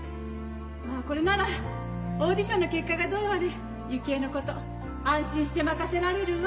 もうこれならオーディションの結果がどうあれ幸恵のこと安心して任せられるわ。